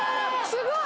すごい！